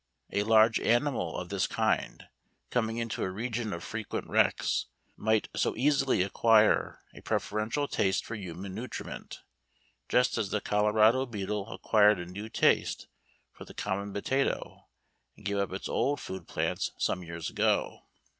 A large animal of this kind coming into a region of frequent wrecks might so easily acquire a preferential taste for human nutriment, just as the Colorado beetle acquired a new taste for the common potato and gave up its old food plants some years ago.